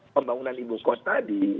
pembangunan ibu kota